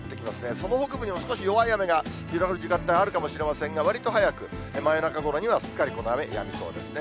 その北部にも少し弱い雨が広がる時間帯があるかもしれませんが、わりと早く、真夜中ごろにはすっかりこの雨、やみそうですね。